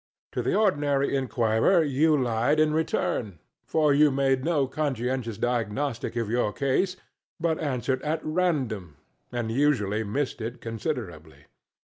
To the ordinary inquirer you lied in return; for you made no conscientious diagnostic of your case, but answered at random, and usually missed it considerably.